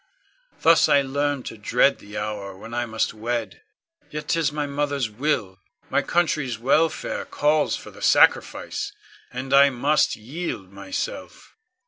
Thus I learned to dread the hour when I must wed. Yet 'tis my mother's will; my country's welfare calls for the sacrifice, and I must yield myself.